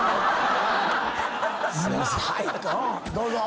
どうぞ。